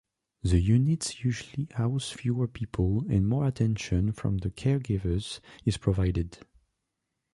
The units usually house fewer people and more attention from the caregivers is provided.